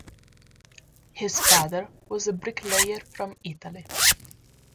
His father was a bricklayer from Italy.